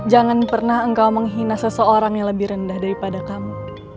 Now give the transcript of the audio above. jangan pernah engkau menghina seseorang yang lebih rendah daripada kamu